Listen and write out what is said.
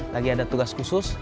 lagi ada tugas khusus